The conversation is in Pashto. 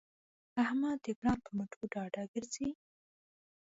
احمد د پلار په مټو ډاډه ګرځي.